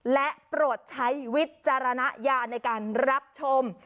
และโปรดใช้วิจารณญาณในการรับชม